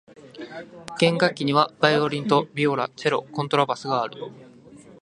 弦楽器にはバイオリンとビオラ、チェロ、コントラバスがある。